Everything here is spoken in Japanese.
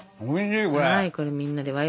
おいしいわ。